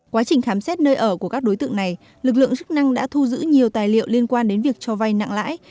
quá trình khám xét nơi ở của các đối tượng này lực lượng chức năng đã thu giữ nhiều tài liệu liên quan đến việc cho vay nặng lãi